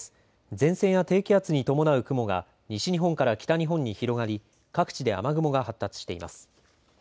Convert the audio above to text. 前線や低気圧に伴う雲が西日本から北日本に広がり各地で雨雲が発達しています。